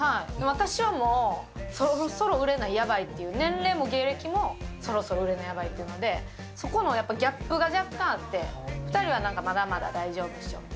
私はもう、そろそろ売れなやばいという、年齢も芸歴もそろそろ売れなやばいっていうので、そこのやっぱりギャップが若干あって、２人はなんかまだまだ大丈夫っしょって。